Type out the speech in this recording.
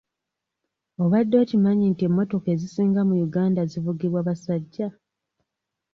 Obadde okimanyi nti emmotoka ezisinga mu Uganda zivugibwa basajja?